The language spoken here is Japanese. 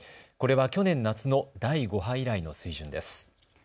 これは去年夏の第５波以来の水準です。